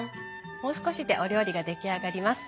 もう少しでお料理が出来上がります。